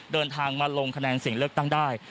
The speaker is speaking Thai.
เดินทางมาลงคะแนนเสียงเลือกตั้งได้